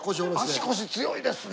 足腰強いですね。